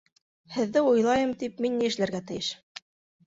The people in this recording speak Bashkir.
Һеҙҙе уйлайым тип мин ни эшләргә тейеш?